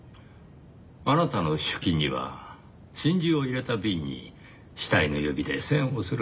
あなたの手記には真珠を入れた瓶に死体の指で栓をする話が書かれていました。